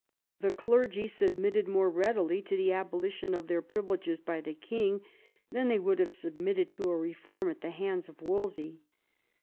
The clergy submitted more readily to the abolition of their privileges by the king than they would have submitted to a reform at the hands of Wolsey.